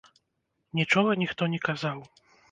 Нічога ніхто не казаў.